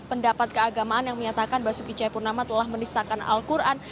pendapat keagamaan yang menyatakan bahasa suki cepurnama telah menistakan al quran